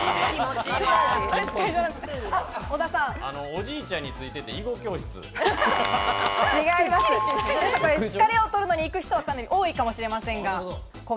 おじいちゃんについていって、疲れを取るのに行く人はかなり多いかもしれません。